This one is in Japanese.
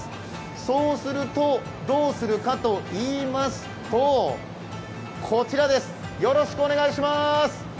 そうすると、どうするかといいますとこちらです、よろしくお願いします